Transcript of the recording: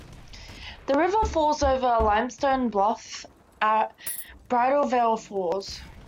The river falls over a limestone bluff at Bridal Veil Falls.